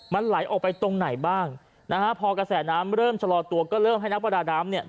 มันไหลออกไปตรงไหนบ้างนะฮะพอกระแสน้ำเริ่มชะลอตัวก็เริ่มให้นักประดาน้ำเนี่ย